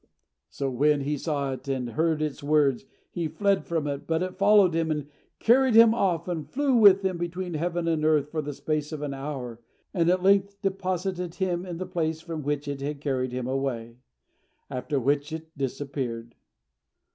So, when he saw it and heard its words, he fled from it; but it followed him and carried him off, and flew with him between heaven and earth for the space of an hour, and at length deposited him in the place from which it had carried him away; after which it disappeared.